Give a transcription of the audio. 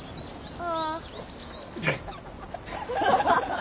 ああ。